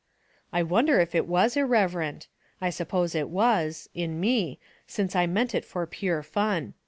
'• I wonder if it was irreverent ? I suppose it was — in me — since I meant it for pure fun.